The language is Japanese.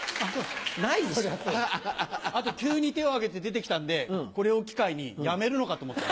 あと、急に手を挙げて出てきたんで、これを機会に辞めるのかと思った。